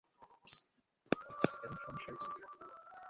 এবং সমস্যায়ও পড়েছি।